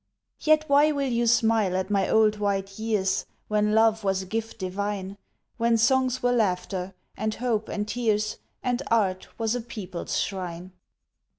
Yet why will you smile at my old white years When love was a gift divine, When songs were laughter and hope and tears, And art was a people's shrine?